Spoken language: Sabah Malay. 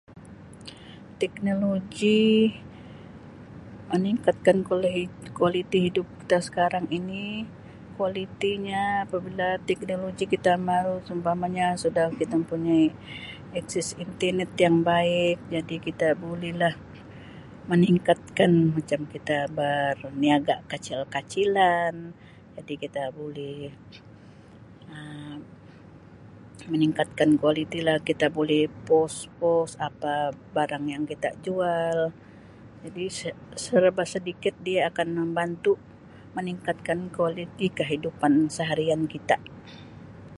Teknologi meningkatkan kual-kualiti hidup kita sekarang ini kualitinya apabila teknologi kita mau seumpamanya sudah kita mempunyai akses internet yang baik jadi kita bolehlah meningkatkan macam kita berniaga kacil-kacilan jadi kita bulih Um meningkatkan kualiti lah kita boleh pos-pos apa barang yang kita jual jadi serba sedikit dia akan membantu meningkatkan kualiti kehidupan seharian kita.